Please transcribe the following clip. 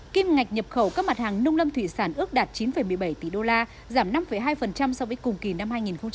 kim ngạch nhập khẩu các mặt hàng nông lâm thủy sản ước đạt chín một mươi bảy tỷ đô la giảm năm hai so với cùng kỳ năm hai nghìn một mươi chín